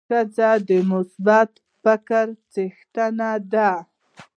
ښځه د مثبت فکر څښتنه ده.